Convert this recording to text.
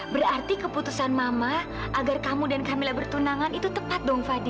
berarti keputusan mama agar kamu dan kamila bertunangan itu tepat dong fadi